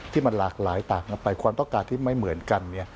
ที่มันหลากหลายต่างกันไปความต้องการที่ไม่เหมือนกัน